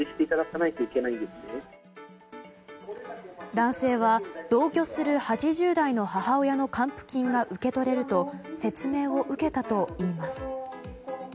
男性は同居する８０代の母親の還付金が受け取れると説明を受けたといいます。